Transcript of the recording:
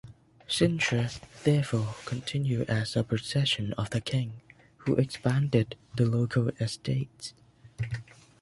Sintra, therefore, continued as a possession of the King, who expanded the local estate.